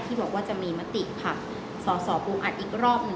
ที่บอกว่าจะมีมาติภักดิ์ส่อปูอัดอีกรอบหนึ่ง